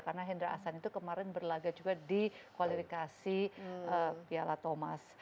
karena hendra asan itu kemarin berlagak juga di kualifikasi piala thomas